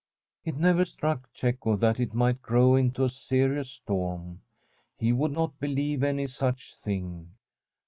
It never struck Cecco that it might grow into a serious storm. He would not believe any such thing.